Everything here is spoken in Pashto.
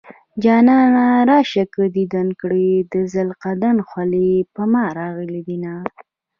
جانانه راشه که ديدن کړي د زنکدن خولې په ما راغلي دينه